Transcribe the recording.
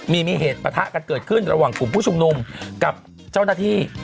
มีมีเหตุประทะกันเกิดขึ้นระหว่างกลุ่มผู้ชุมนุมกับเจ้าหน้าที่